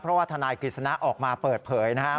เพราะว่าทนายกฤษณะออกมาเปิดเผยนะครับ